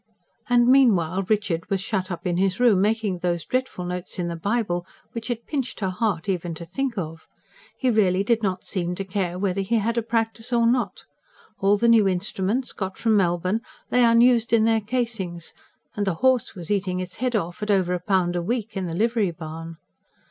And meanwhile Richard was shut up in his room, making those dreadful notes in the Bible which it pinched her heart even to think of. He really did not seem to care whether he had a practice or not. All the new instruments, got from Melbourne, lay unused in their casings; and the horse was eating its head off, at over a pound a week, in the livery barn.